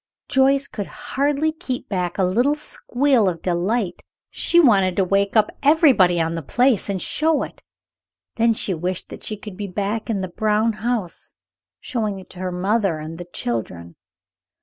Joyce could hardly keep back a little squeal of delight. She wanted to wake up everybody on the place and show it. Then she wished that she could be back in the brown house, showing it to her mother and the children.